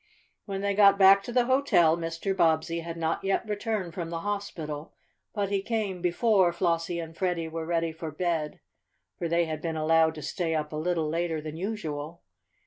When they got back to the hotel Mr. Bobbsey had not yet returned from the hospital, but he came before Flossie and Freddie were ready for bed, for they had been allowed to stay up a little later than usual.